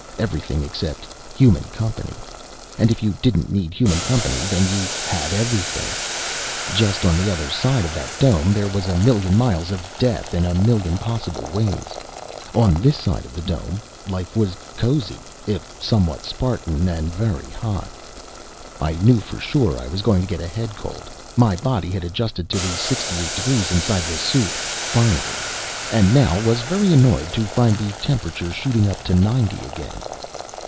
Everything except human company. And if you didn't need human company, then you had everything. Just on the other side of that dome, there was a million miles of death, in a million possible ways. On this side of the dome, life was cozy, if somewhat Spartan and very hot. I knew for sure I was going to get a head cold. My body had adjusted to the sixty eight degrees inside the suit, finally, and now was very annoyed to find the temperature shooting up to ninety again.